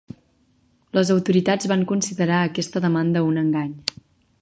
Les autoritats van considerar aquesta demanda un engany.